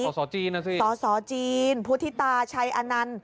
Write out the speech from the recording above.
สสจีนนะสิสสจีนพุทธิตาชัยอนันต์